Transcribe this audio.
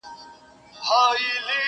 ما له ازله بې خبره کوچي!